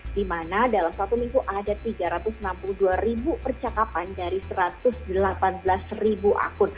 di mana dalam satu minggu ada tiga ratus enam puluh dua ribu percakapan dari satu ratus delapan belas ribu akun